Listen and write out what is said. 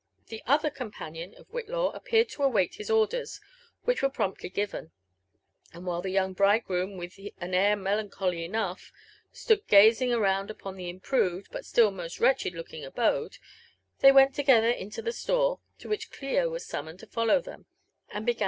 The other companion of Whitlaw appeared to await his orders, which were promptly given ; and while the young bridegroom, with an air melanchoy enough, stood gazing around upon the improved, but still most wretched looking abode, they went together into the store, [to which Clio was summoned to follow them, and began thei?